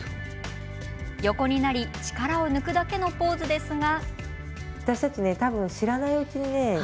横になり力を抜くだけのポーズなんですが。